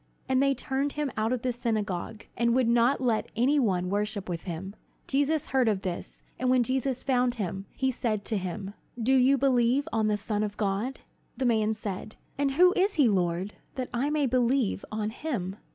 And they turned him out of the synagogue, and would not let any one worship with him. Jesus heard of this; and when Jesus found him, he said to him: "Do you believe on the Son of God?" The man said: "And who is he, Lord, that I may believe on him?"